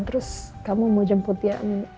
terus kamu mau jemput ya